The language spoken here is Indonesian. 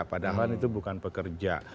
padahal itu bukan pekerja